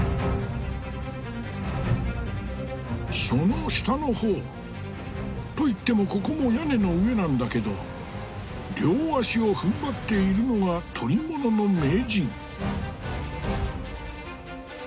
その下の方といってもここも屋根の上なんだけど両足をふんばっているのが捕り物の名人。